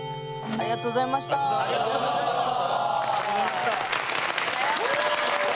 ありがとうございました！さようなら。